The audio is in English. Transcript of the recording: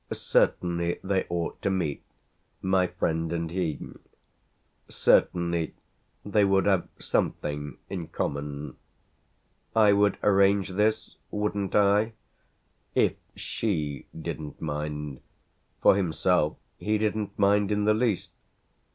Certainly they ought to meet, my friend and he; certainly they would have something in common. I would arrange this, wouldn't I? if she didn't mind; for himself he didn't mind in the least.